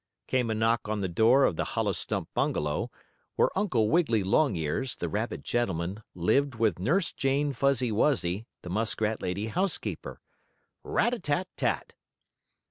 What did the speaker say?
came a knock on the door of the hollow stump bungalow, where Uncle Wiggily Longears, the rabbit gentleman, lived with Nurse Jane Fuzzy Wuzzy, the muskrat lady housekeeper. "Rat a tat tat!"